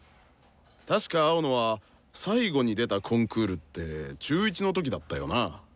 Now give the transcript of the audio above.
確か青野は最後に出たコンクールって中１の時だったよな？